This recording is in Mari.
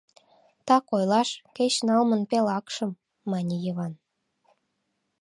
— Так ойлаш, кеч налмын пел акшым, — мане Йыван.